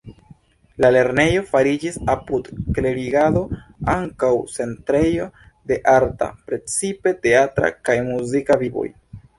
La lernejo fariĝis apud klerigado ankaŭ centrejo de arta, precipe teatra kaj muzika vivoj.